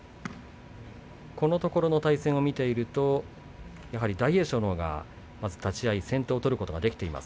このところの対戦を見ていると大栄翔のほうが立ち合い先手を取ることができています。